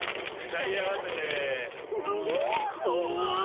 ２人あわせて。